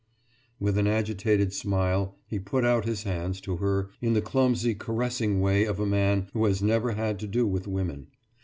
« With an agitated smile he put out his hands to her in the clumsy caressing way of a man who has never had to do with women.